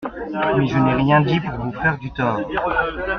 Mais je n’ai rien dit pour vous faire du tort.